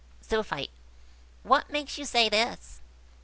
Zoophyte. "What makes you say this?"